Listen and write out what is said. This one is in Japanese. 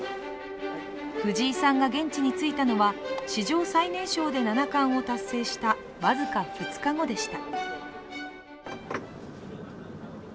藤井さんが現地に着いたのは史上最年少で七冠を達成した僅か２日後でした。